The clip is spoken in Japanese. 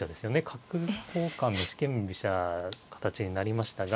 角交換の四間飛車形になりましたが。